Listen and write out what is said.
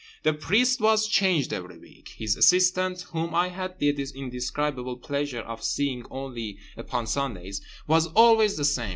The priest was changed every week. His assistant (whom I had the indescribable pleasure of seeing only upon Sundays) was always the same.